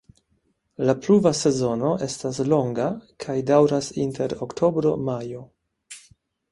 La pluva sezono estas longa kaj daŭras inter oktobro-majo.